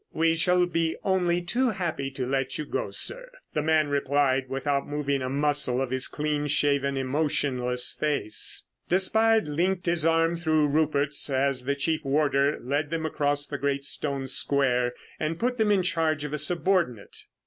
"We shall be only too happy to let you go, sir," the man replied without moving a muscle of his clean shaven, emotionless face. Despard linked his arm through Rupert's as the chief warder led them across the great stone square and put them in charge of a subordinate.